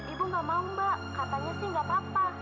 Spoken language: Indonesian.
ibu gak mau mbak katanya sih nggak apa apa